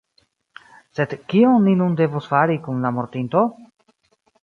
Sed kion ni nun devos fari kun la mortinto?